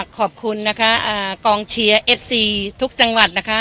ขอบคุณวิทยาลัยสมบูรณ์จำหน้าสิตรุภาพทุกจังหวัดนะคะ